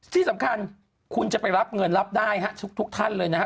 ที่สำคัญคุณจะไปรับเงินรับได้ฮะทุกท่านเลยนะครับ